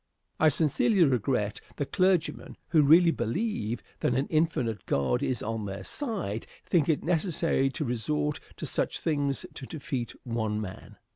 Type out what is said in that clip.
I sincerely regret that clergymen who really believe that an infinite God is on their side think it necessary to resort to such things to defeat one man.